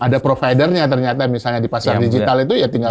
ada providernya ternyata misalnya di pasar digital itu ya tinggal